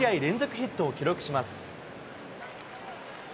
ヒットを記録します。